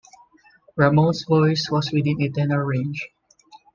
Ramone's voice was within a tenor range.